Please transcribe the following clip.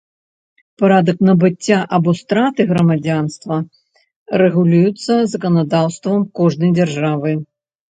Парадак набыцця або страты грамадзянства рэгулюецца заканадаўствам кожнай дзяржавы.